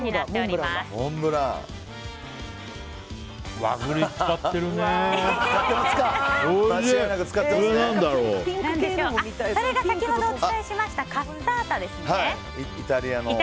そして先ほどお伝えしましたカッサータですね。